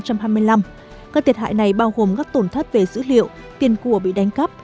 các thiệt hại này bao gồm các tổn thất về dữ liệu tiền của bị đánh cắp